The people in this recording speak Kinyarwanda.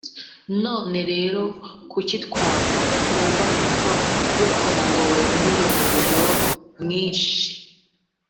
none rero kuki twagomba gupfa dukongowe n’uyu muriro mwinshi?